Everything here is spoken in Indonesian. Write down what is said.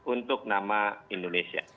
untuk nama indonesia